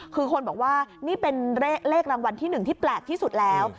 คือคนบอกว่านี่เป็นเลขรางวัลที่๑ที่แปลกที่สุดแล้ว